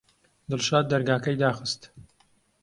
دڵشاد دەرگاکەی داخست.